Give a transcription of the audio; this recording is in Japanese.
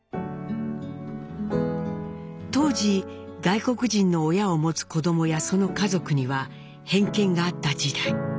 当時外国人の親を持つ子どもやその家族には偏見があった時代。